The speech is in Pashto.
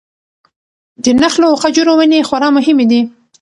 د نخلو او خجورو ونې خورا مهمې دي.